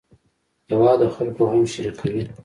هېواد د خلکو غم شریکوي